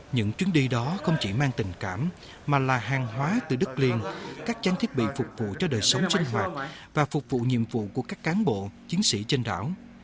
những chuyến đi đó không chỉ mang tình cảm mà là hàng hóa từ đất liền các trang thiết bị phục vụ cho đời sống sinh hoạt và phục vụ nhiệm vụ của các cán bộ chiến sĩ trên đảo